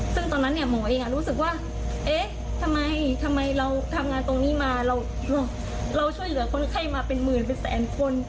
ซึ่งตอนนั้นเนี่ยหมอเองรู้สึกว่าเอ๊ะทำไมเราทำงานตรงนี้มาเราช่วยเหลือคนไข้มาเป็นหมื่นเป็นแสนคน